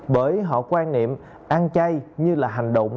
bởi họ quan niệm ăn chay như là hành động